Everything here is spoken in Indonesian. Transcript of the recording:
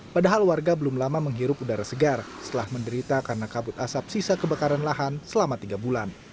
padahal warga belum lama menghirup udara segar setelah menderita karena kabut asap sisa kebakaran lahan selama tiga bulan